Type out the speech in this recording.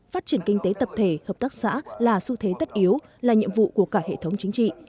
phát triển kinh tế tập thể hợp tác xã là xu thế tất yếu là nhiệm vụ của cả hệ thống chính trị